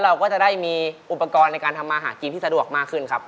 เราก็จะได้มีอุปกรณ์ในการทำมาหากินที่สะดวกมากขึ้นครับ